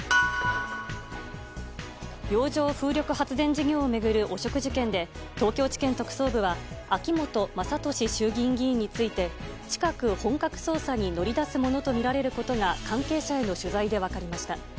洋上風力発電事業を巡る汚職事件で東京地検特捜部は秋本真利衆議院議員について近く本格捜査に乗り出すものとみられることが関係者への取材で分かりました。